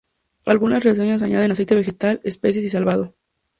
Algunas recetas añaden aceite vegetal, especias y salvado.